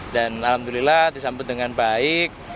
dan alhamdulillah disambut dengan baik